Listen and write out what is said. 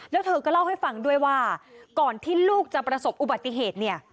แล้วเธอก็เล่าให้ฟังด้วยว่าก่อนที่ลูกจะประสบอุบัติเหตุเนี่ย